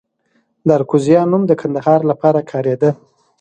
د اراکوزیا نوم د کندهار لپاره کاریده